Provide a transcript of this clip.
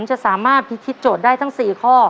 จะสามารถพิธีโจทย์ได้ทั้ง๔ข้อ